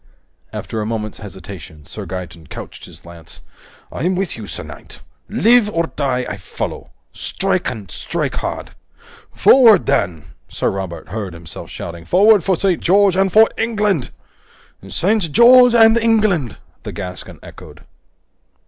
After a moment's hesitation, Sir Gaeton couched his lance. "I'm with you, sir knight! Live or die, I follow! Strike and strike hard!" "Forward then!" Sir Robert heard himself shouting. "Forward for St. George and for England!" "St. George and England!" the Gascon echoed.